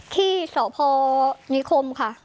ที่สพนิคมค่ะ